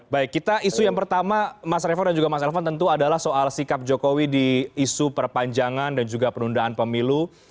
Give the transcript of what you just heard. baik kita isu yang pertama mas revo dan juga mas elvan tentu adalah soal sikap jokowi di isu perpanjangan dan juga penundaan pemilu